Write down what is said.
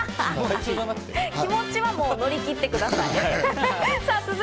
気持ちは乗り切ってください。